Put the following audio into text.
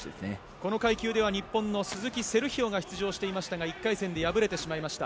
この階級では日本の鈴木セルヒオ選手が出場していましたが１回戦で敗れてしまいました。